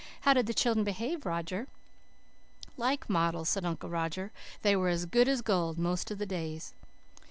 How did the children behave, Roger?" "Like models," said Uncle Roger. "They were as good as gold most of the days."